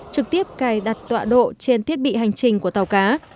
trực tiếp cài đặt tọa độ trên thiết bị hành trình của tàu cá